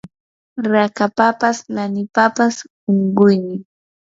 rakapapas lanipapas unquynin